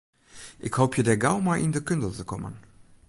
Ik hoopje dêr gau mei yn de kunde te kommen.